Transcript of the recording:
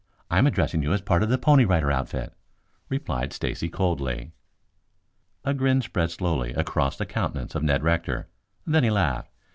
I am addressing you as a part of the Pony Rider outfit," replied Stacy coldly. A grin spread slowly across the countenance of Ned Rector. Then he laughed.